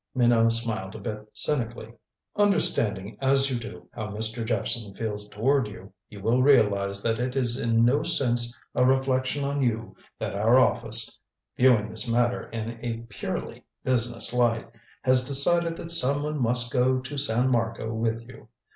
Minot smiled a bit cynically. "Understanding as you do how Mr. Jephson feels toward you, you will realize that it is in no sense a reflection on you that our office, viewing this matter in a purely business light, has decided that some one must go to San Marco with you.